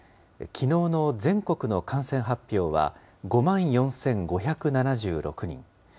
きのうの全国の感染発表は５万４５７６人。